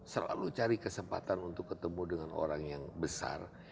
selalu cari kesempatan untuk ketemu dengan orang yang besar